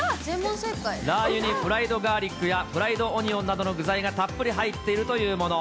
ラー油にフライドガーリックやフライドオニオンなどの具材がたっぷり入っているというもの。